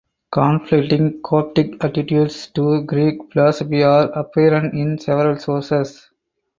Conflicting Coptic attitudes to Greek philosophy are apparent in several sources.